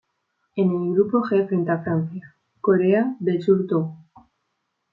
En el Grupo G frente a Francia, Corea del Sur Togo.